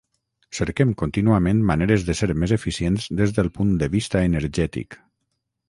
Cerquem contínuament maneres de ser més eficients des del punt de vista energètic.